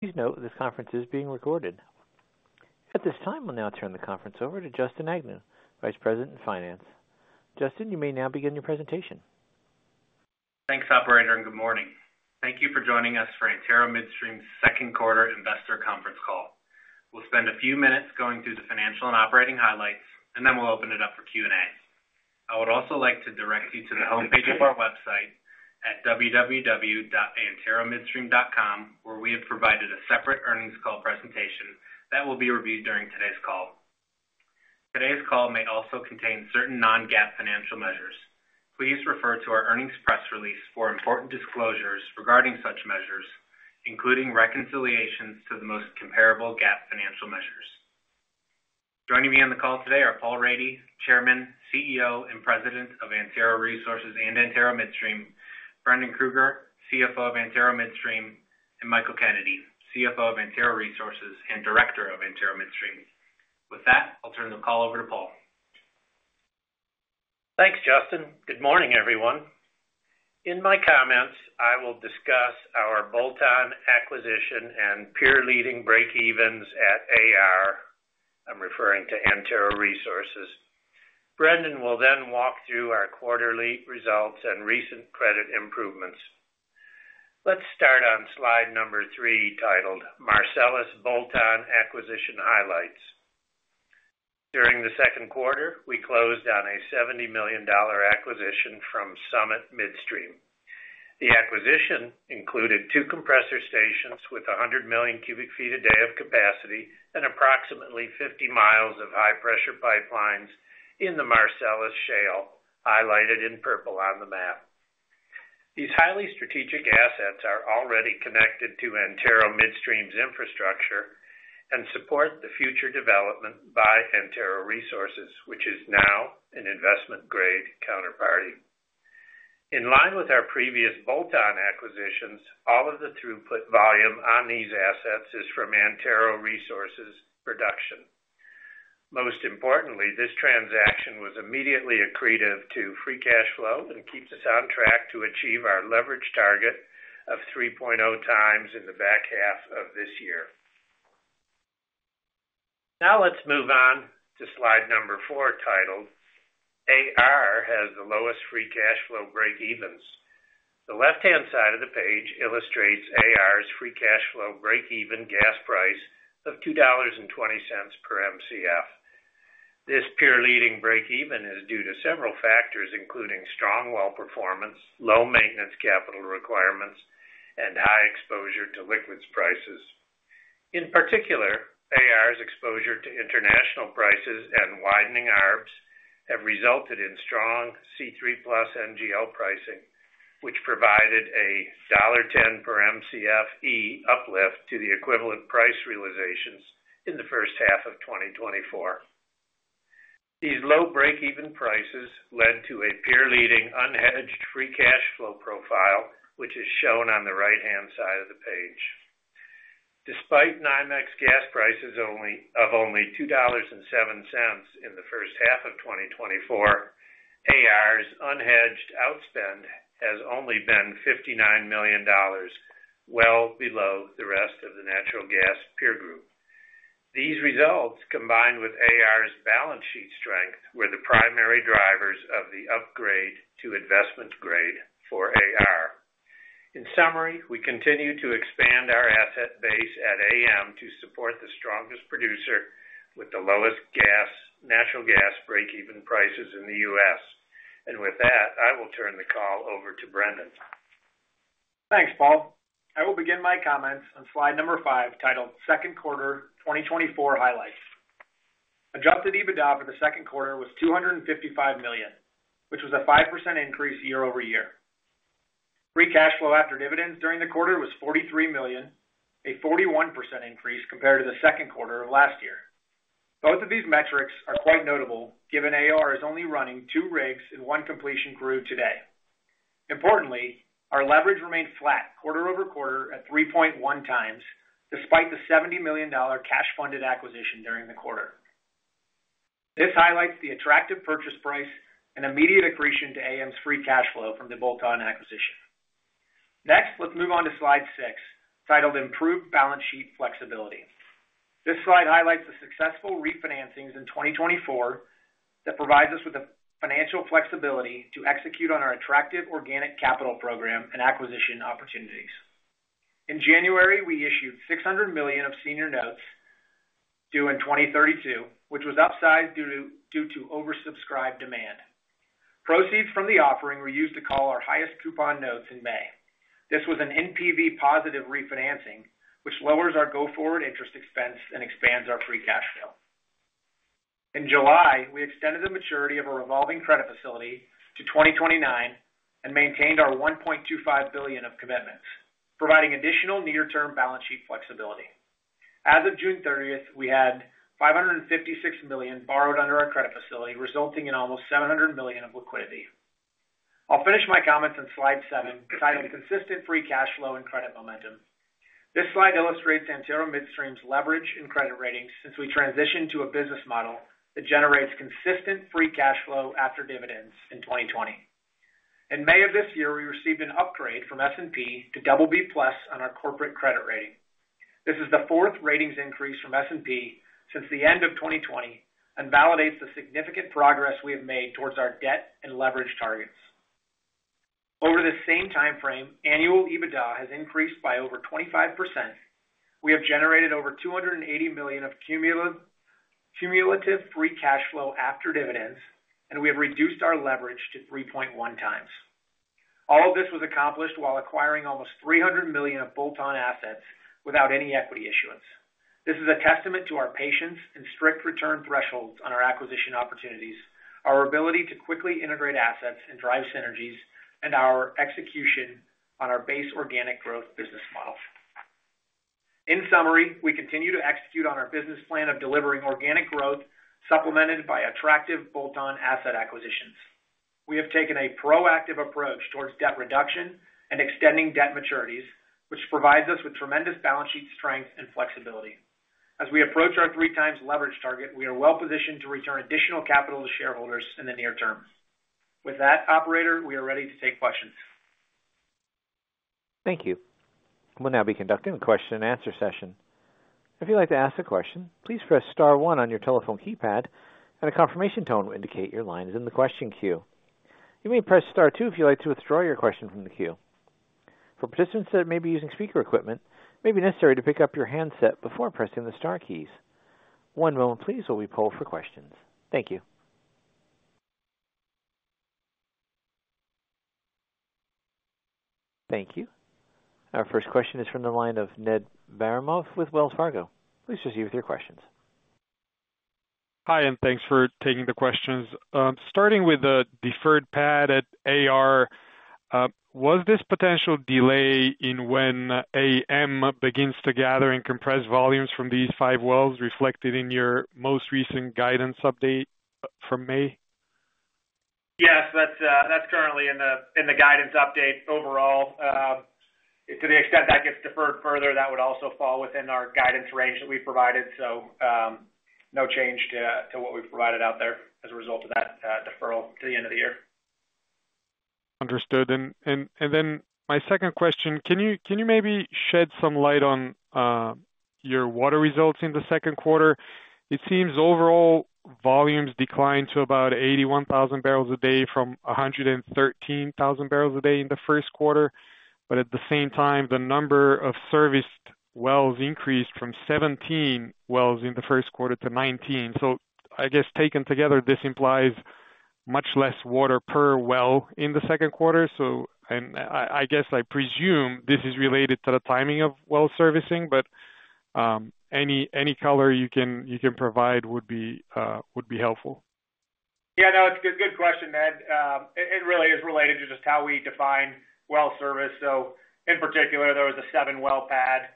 Please note, this conference is being recorded. At this time, we'll now turn the conference over to Justin Agnew, Vice President in Finance. Justin, you may now begin your presentation. Thanks, operator, and good morning. Thank you for joining us for Antero Midstream's Second Quarter Investor Conference Call. We'll spend a few minutes going through the financial and operating highlights, and then we'll open it up for Q&A. I would also like to direct you to the homepage of our website at www.anteromidstream.com, where we have provided a separate earnings call presentation that will be reviewed during today's call. Today's call may also contain certain non-GAAP financial measures. Please refer to our earnings press release for important disclosures regarding such measures, including reconciliations to the most comparable GAAP financial measures. Joining me on the call today are Paul Rady, Chairman, CEO, and President of Antero Resources and Antero Midstream, Brendan Krueger, CFO of Antero Midstream, and Michael Kennedy, CFO of Antero Resources and Director of Antero Midstream. With that, I'll turn the call over to Paul. Thanks, Justin. Good morning, everyone. In my comments, I will discuss our bolt-on acquisition and peer-leading breakevens at AR. I'm referring to Antero Resources. Brendan will then walk through our quarterly results and recent credit improvements. Let's start on slide number three, titled Marcellus Bolt-on Acquisition Highlights. During the second quarter, we closed on a $70 million acquisition from Summit Midstream. The acquisition included two compressor stations with 100 million cubic feet a day of capacity and approximately 50 miles of high-pressure pipelines in the Marcellus Shale, highlighted in purple on the map. These highly strategic assets are already connected to Antero Midstream's infrastructure and support the future development by Antero Resources, which is now an investment-grade counterparty. In line with our previous bolt-on acquisitions, all of the throughput volume on these assets is from Antero Resources production. Most importantly, this transaction was immediately accretive to free cash flow and keeps us on track to achieve our leverage target of 3.0x in the back half of this year. Now, let's move on to slide number four, titled AR has the lowest free cash flow breakevens. The left-hand side of the page illustrates AR's free cash flow breakeven gas price of $2.20 per Mcf. This peer-leading breakeven is due to several factors, including strong well performance, low maintenance capital requirements, and high exposure to liquids prices. In particular, AR's exposure to international prices and widening arbs have resulted in strong C3+ NGL pricing, which provided a $1.10 per Mcfe uplift to the equivalent price realizations in the first half of 2024. These low breakeven prices led to a peer-leading, unhedged free cash flow profile, which is shown on the right-hand side of the page. Despite NYMEX gas prices of only $2.07 in the first half of 2024, AR's unhedged outspend has only been $59 million, well below the rest of the natural gas peer group. These results, combined with AR's balance sheet strength, were the primary drivers of the upgrade to investment grade for AR. In summary, we continue to expand our asset base at AM to support the strongest producer with the lowest natural gas breakeven prices in the U.S. And with that, I will turn the call over to Brendan. Thanks, Paul. I will begin my comments on slide number five, titled Second Quarter 2024 Highlights. Adjusted EBITDA for the second quarter was $255 million, which was a 5% increase year-over-year. Free cash flow after dividends during the quarter was $43 million, a 41% increase compared to the second quarter of last year. Both of these metrics are quite notable, given AR is only running two rigs and one completion crew today. Importantly, our leverage remained flat quarter-over-quarter at 3.1x, despite the $70 million cash-funded acquisition during the quarter. This highlights the attractive purchase price and immediate accretion to AM's free cash flow from the bolt-on acquisition. Next, let's move on to slide six, titled Improved Balance Sheet Flexibility. This slide highlights the successful refinancings in 2024 that provides us with the financial flexibility to execute on our attractive organic capital program and acquisition opportunities. In January, we issued $600 million of senior notes due in 2032, which was upsized due to oversubscribed demand. Proceeds from the offering were used to call our highest coupon notes in May. This was an NPV-positive refinancing, which lowers our go-forward interest expense and expands our free cash flow. In July, we extended the maturity of a revolving credit facility to 2029 and maintained our $1.25 billion of commitments, providing additional near-term balance sheet flexibility. As of June 30th, we had $556 million borrowed under our credit facility, resulting in almost $700 million of liquidity. I'll finish my comments on slide seven, titled Consistent Free Cash Flow and Credit Momentum. This slide illustrates Antero Midstream's leverage and credit ratings since we transitioned to a business model that generates consistent free cash flow after dividends in 2020. In May of this year, we received an upgrade from S&P to BB+ on our corporate credit rating. This is the fourth ratings increase from S&P since the end of 2020, and validates the significant progress we have made towards our debt and leverage targets. Over this same time frame, annual EBITDA has increased by over 25%. We have generated over $280 million of cumulative free cash flow after dividends, and we have reduced our leverage to 3.1x. All of this was accomplished while acquiring almost $300 million of bolt-on assets without any equity issuance. This is a testament to our patience and strict return thresholds on our acquisition opportunities, our ability to quickly integrate assets and drive synergies, and our execution on our base organic growth business model. In summary, we continue to execute on our business plan of delivering organic growth, supplemented by attractive bolt-on asset acquisitions. We have taken a proactive approach towards debt reduction and extending debt maturities, which provides us with tremendous balance sheet strength and flexibility. As we approach our 3x leverage target, we are well positioned to return additional capital to shareholders in the near term. With that, operator, we are ready to take questions. Thank you. We'll now be conducting a question-and-answer session. If you'd like to ask a question, please press star one on your telephone keypad, and a confirmation tone will indicate your line is in the question queue. You may press star two if you'd like to withdraw your question from the queue. For participants that may be using speaker equipment, it may be necessary to pick up your handset before pressing the star keys. One moment, please, while we poll for questions. Thank you. Thank you. Our first question is from the line of Ned Baramov with Wells Fargo. Please proceed with your questions. Hi, and thanks for taking the questions. Starting with the deferred pad at AR, was this potential delay in when AM begins to gather and compress volumes from these five wells reflected in your most recent guidance update from May? Yes, that's currently in the guidance update overall. To the extent that gets deferred further, that would also fall within our guidance range that we provided. So, no change to what we've provided out there as a result of that deferral to the end of the year. Understood. Then my second question: can you maybe shed some light on your water results in the second quarter? It seems overall volumes declined to about 81,000 barrels a day from 113,000 barrels a day in the first quarter. But at the same time, the number of serviced wells increased from 17 wells in the first quarter to 19. So I guess, taken together, this implies much less water per well in the second quarter. So I guess I presume this is related to the timing of well servicing, but any color you can provide would be helpful. Yeah, no, it's a good question, Ned. It really is related to just how we define well service. So in particular, there was a seven-well pad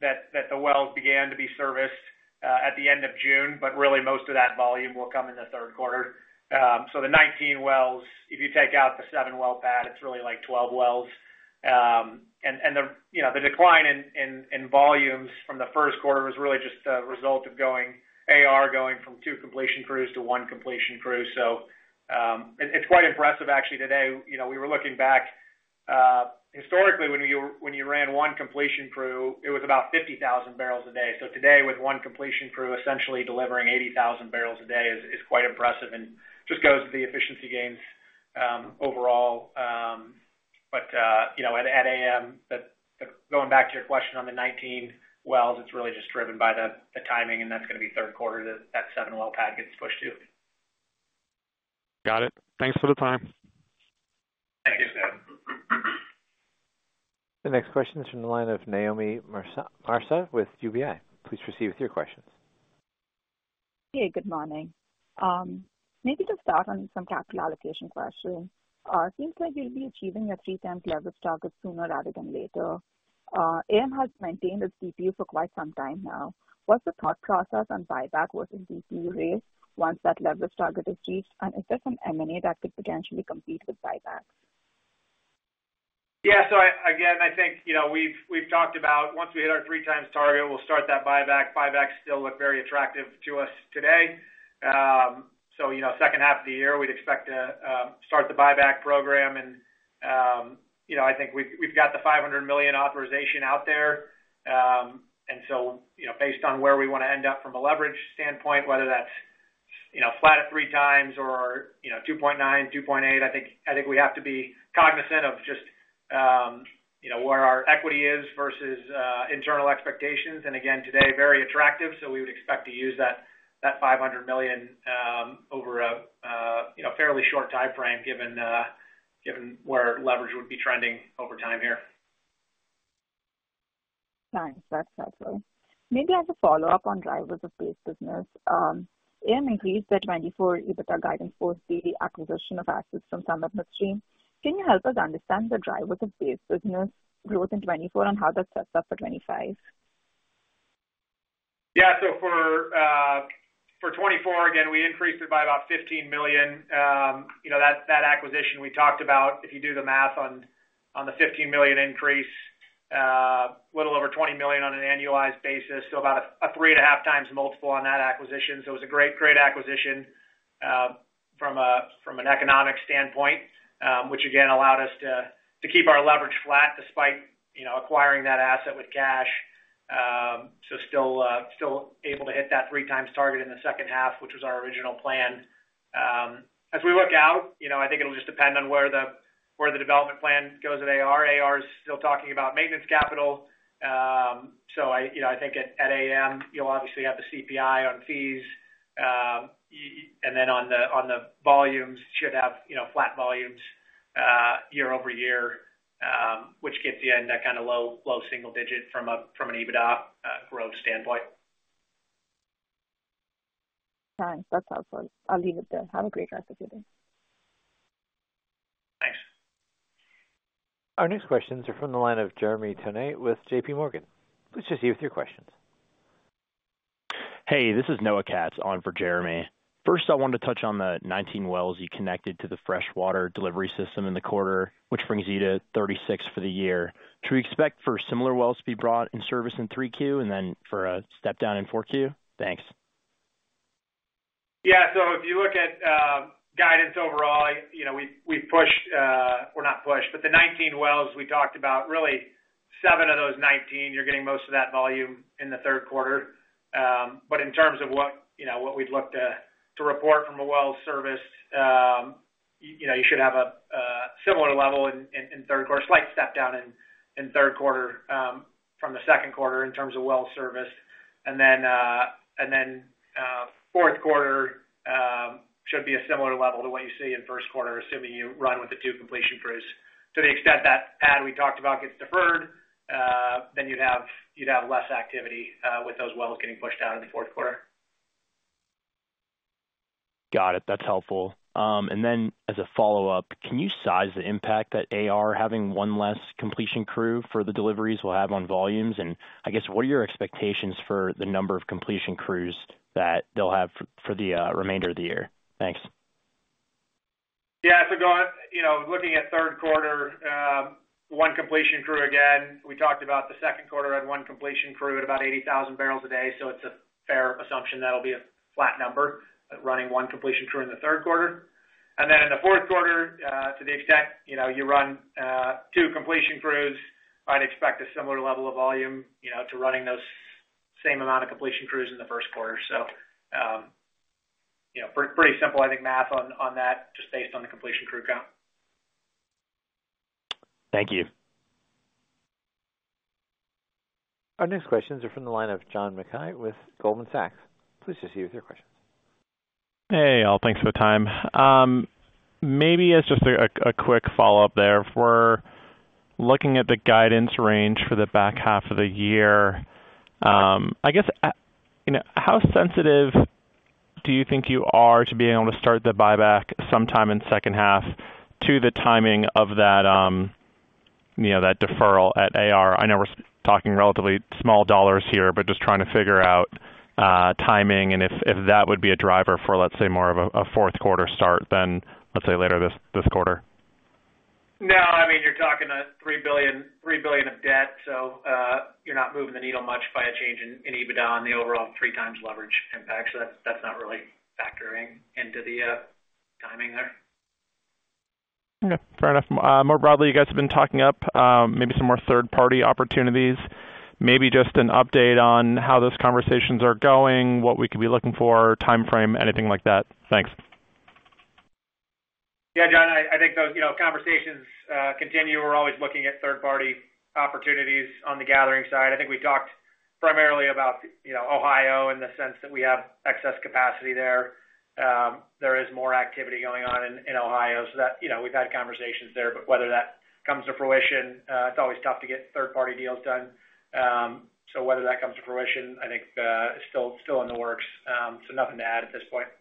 that the wells began to be serviced at the end of June, but really, most of that volume will come in the third quarter. So the 19 wells, if you take out the seven-well pad, it's really, like, 12 wells. And the, you know, the decline in volumes from the first quarter was really just a result of AR going from two completion crews to one completion crew. So, it, it's quite impressive actually today. You know, we were looking back historically, when you ran one completion crew, it was about 50,000 barrels a day. So today, with one completion crew, essentially delivering 80,000 barrels a day is quite impressive and just goes to the efficiency gains, overall. But, you know, at AM, going back to your question on the 19 wells, it's really just driven by the timing, and that's going to be third quarter that seven-well pad gets pushed to. Got it. Thanks for the time. Thank you, Ned. The next question is from the line of Naomi Marfatia with UBS. Please proceed with your questions. Hey, good morning. Maybe just start on some capital allocation questions. It seems like you'll be achieving the 3x leverage target sooner rather than later. AM has maintained its DCF for quite some time now. What's the thought process on buyback versus DCF raise once that leverage target is reached? And is there some M&A that could potentially compete with buybacks? Yeah. So again, I think, you know, we've, we've talked about once we hit our 3x target, we'll start that buyback. Buybacks still look very attractive to us today. So, you know, second half of the year, we'd expect to start the buyback program. And, you know, I think we've, we've got the $500 million authorization out there, and so, you know, based on where we want to end up from a leverage standpoint, whether that's, you know, flat at 3x or, you know, 2.9x, 2.8x, I think, I think we have to be cognizant of just, you know, where our equity is versus internal expectations. And again, today, very attractive, so we would expect to use that $500 million over a, you know, fairly short time frame, given where leverage would be trending over time here. Thanks. That's helpful. Maybe as a follow-up on drivers of base business. AM increased the 2024 EBITDA guidance for the acquisition of assets from Summit Midstream. Can you help us understand the drivers of base business growth in 2024 and how that sets up for 2025? Yeah. So for 2024, again, we increased it by about $15 million. You know, that acquisition we talked about, if you do the math on the $15 million increase, a little over $20 million on an annualized basis, so about a 3.5x multiple on that acquisition. So it was a great, great acquisition from an economic standpoint, which again, allowed us to keep our leverage flat despite, you know, acquiring that asset with cash. So still, still able to hit that 3x target in the second half, which was our original plan. As we look out, you know, I think it'll just depend on where the development plan goes at AR. AR is still talking about maintenance capital. So, you know, I think at AM, you'll obviously have the CPI on fees. And then on the volumes, should have, you know, flat volumes year over year, which gets you in that kind of low single digit from an EBITDA growth standpoint. Thanks. That's helpful. I'll leave it there. Have a great rest of your day. Thanks. Our next questions are from the line of Jeremy Tonet with JP Morgan. Please proceed with your questions. Hey, this is Noah Katz on for Jeremy. First, I wanted to touch on the 19 wells you connected to the freshwater delivery system in the quarter, which brings you to 36 for the year. Should we expect for similar wells to be brought in service in 3Q and then for a step down in 4Q? Thanks. Yeah, so if you look at guidance overall, you know, we, we pushed, or not pushed, but the 19 wells we talked about, really seven of those 19, you're getting most of that volume in the third quarter. But in terms of what, you know, what we'd look to report from a well serviced, you know, you should have a similar level in third quarter, slight step down in third quarter from the second quarter in terms of well serviced. And then fourth quarter should be a similar level to what you see in first quarter, assuming you run with the two completion crews. To the extent that pad we talked about gets deferred, then you'd have less activity with those wells getting pushed out in the fourth quarter. Got it. That's helpful. And then as a follow-up, can you size the impact that AR having one less completion crew for the deliveries will have on volumes? I guess, what are your expectations for the number of completion crews that they'll have for the remainder of the year? Thanks. Yeah, so go on. You know, looking at third quarter, one completion crew, again, we talked about the second quarter had one completion crew at about 80,000 barrels a day, so it's a fair assumption that'll be a flat number, running one completion crew in the third quarter. And then in the fourth quarter, to the extent, you know, you run, two completion crews, I'd expect a similar level of volume, you know, to running those same amount of completion crews in the first quarter. So, you know, pretty simple, I think, math on that, just based on the completion crew count. Thank you. Our next questions are from the line of John Mackay with Goldman Sachs. Please proceed with your questions. Hey, all. Thanks for the time. Maybe as just a quick follow-up there, for looking at the guidance range for the back half of the year, I guess, you know, how sensitive do you think you are to being able to start the buyback sometime in the second half to the timing of that, you know, that deferral at AR? I know we're talking relatively small dollars here, but just trying to figure out, timing and if that would be a driver for, let's say, more of a fourth quarter start than, let's say, later this quarter. No, I mean, you're talking about $3 billion, $3 billion of debt, so, you're not moving the needle much by a change in EBITDA on the overall 3x leverage impact. So that's not really factoring into the timing there. Okay, fair enough. More broadly, you guys have been talking up, maybe some more third-party opportunities. Maybe just an update on how those conversations are going, what we could be looking for, timeframe, anything like that. Thanks. Yeah, John, I think those, you know, conversations continue. We're always looking at third-party opportunities on the gathering side. I think we talked primarily about, you know, Ohio, in the sense that we have excess capacity there. There is more activity going on in Ohio, so that. You know, we've had conversations there, but whether that comes to fruition, it's always tough to get third-party deals done. So whether that comes to fruition, I think, is still in the works. So nothing to add at this point.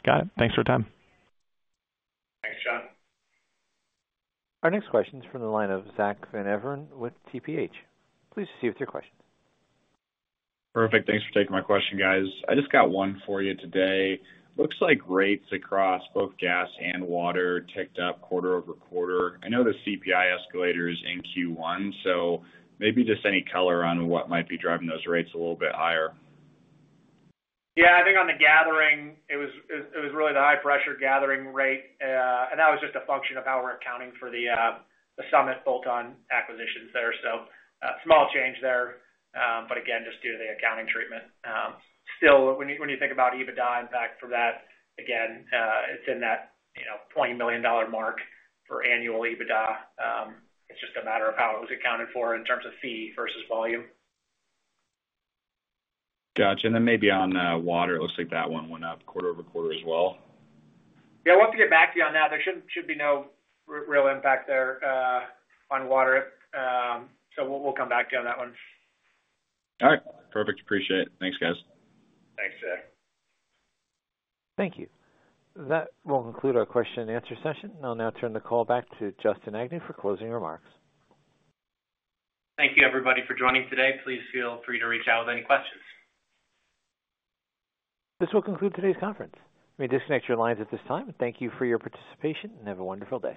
Got it. Thanks for your time. Thanks, John. Our next question is from the line of Zack Van Everen with TPH. Please proceed with your questions. Perfect. Thanks for taking my question, guys. I just got one for you today. Looks like rates across both gas and water ticked up quarter-over-quarter. I know the CPI escalator is in Q1, so maybe just any color on what might be driving those rates a little bit higher. Yeah, I think on the gathering, it was really the high-pressure gathering rate, and that was just a function of how we're accounting for the Summit bolt-on acquisitions there. So, small change there, but again, just due to the accounting treatment. Still, when you think about EBITDA impact from that, again, it's in that, you know, $20 million mark for annual EBITDA. It's just a matter of how it was accounted for in terms of fee versus volume. Gotcha. And then maybe on water, it looks like that one went up quarter-over-quarter as well. Yeah. I'll have to get back to you on that. There should be no real impact there on water. So we'll come back to you on that one. All right. Perfect. Appreciate it. Thanks, guys. Thanks, Zack. Thank you. That will conclude our question and answer session. I'll now turn the call back to Justin Agnew for closing remarks. Thank you, everybody, for joining today. Please feel free to reach out with any questions. This will conclude today's conference. You may disconnect your lines at this time. Thank you for your participation, and have a wonderful day.